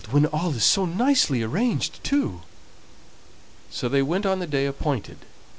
when all is so nicely arranged too." So they went on the day appointed.